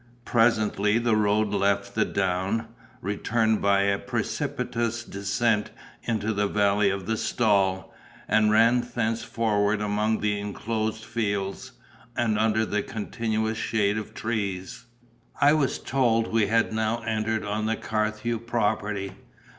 Presently the road left the down, returned by a precipitous descent into the valley of the Stall, and ran thenceforward among enclosed fields and under the continuous shade of trees. I was told we had now entered on the Carthew property.